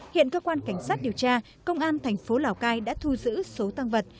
hiện cơ quan cảnh sát điều tra công an thành phố lào cai đã thu giữ số tăng vật